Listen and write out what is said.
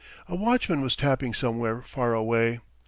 A watchman was tapping somewhere far away.